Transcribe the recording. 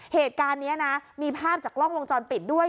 เหตุการณ์นี้นะมีภาพจากกล้องวงจรปิดด้วย